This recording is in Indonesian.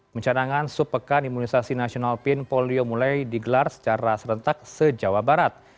mencadangan subpekan imunisasi nasional pin polio mulai digelar secara serentak se jawa barat